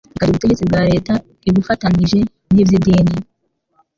ikagira ubutegetsi bwa Leta, ibufatanije n'iby'idini.